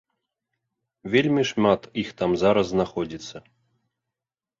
Вельмі шмат іх там зараз знаходзіцца.